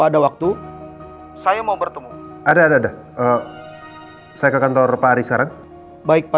dia juga bekerja sama bapak